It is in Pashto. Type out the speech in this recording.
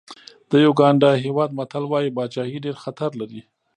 د یوګانډا هېواد متل وایي پاچاهي ډېر خطر لري.